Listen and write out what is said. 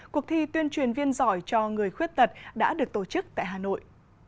cuộc thi tuyên truyền viên giỏi cho người khuyết tật đã được tổ chức tại hà nội